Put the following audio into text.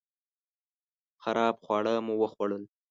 خراب خواړه مو وخوړل